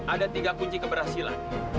ada tiga kunci keberhasilan